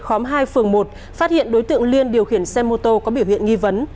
khóm hai phường một phát hiện đối tượng liên điều khiển xe mô tô có biểu hiện nghi vấn